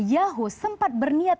yahoo sempat berniat